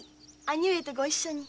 兄上とご一緒に。